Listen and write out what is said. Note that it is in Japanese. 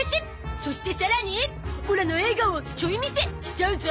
そしてさらにオラの映画をちょい見せしちゃうゾ！